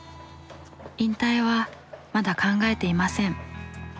引退はまだ考えていません。